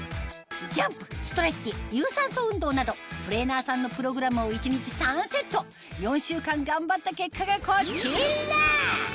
ジャンプストレッチ有酸素運動などトレーナーさんのプログラムを一日３セット４週間頑張った結果がこちら！